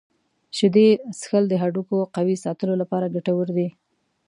شیدې څښل د هډوکو قوي ساتلو لپاره ګټور دي.